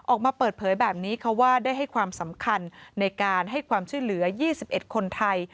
ออกมาเปิดเผยแบบนี้ค่ะว่าได้ให้ความสำคัญในการให้ความช่วยเหลือ๒๑คนไทย